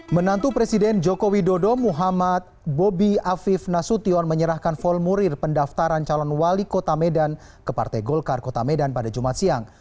menantu presiden joko widodo muhammad bobi afif nasution menyerahkan vol murir pendaftaran calon wali kota medan ke partai golkar kota medan pada jumat siang